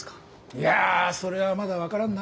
いやそれはまだ分からんなあ。